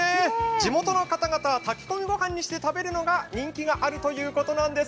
地元の方々は炊き込み御飯にして食べるのが人気があるということなんです。